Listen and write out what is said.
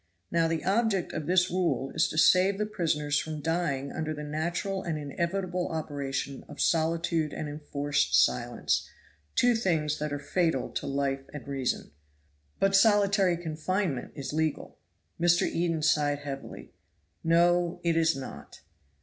Now the object of this rule is to save the prisoners from dying under the natural and inevitable operation of solitude and enforced silence, two things that are fatal to life and reason." "But solitary confinement is legal." Mr. Eden sighed heavily. "No it is not.